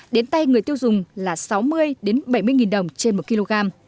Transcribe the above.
đến tay người tiêu dùng là sáu mươi bảy mươi đồng trên một kg